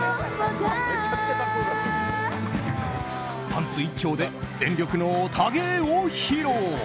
パンツ一丁で全力のオタ芸を披露。